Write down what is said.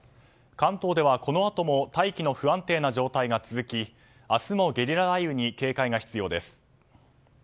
関東ではこのあとも大気の不安定な状態が続き明日もゲリラ雷雨に警戒が必要です。